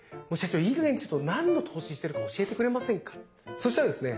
そしたらですね